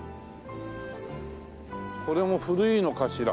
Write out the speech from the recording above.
これも古いのかしら？